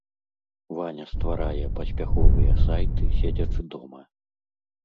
Ваня стварае паспяховыя сайты, седзячы дома.